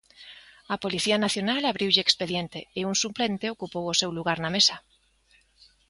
A Policía Nacional abriulle expediente, e un suplente ocupou o seu lugar na mesa.